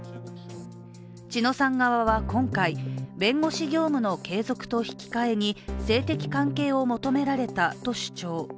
知乃さん側は今回、弁護士業務の継続と引き換えに性的関係を求められたと主張。